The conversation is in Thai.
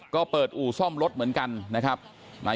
ก็ได้รู้สึกว่ามันกลายเป้าหมาย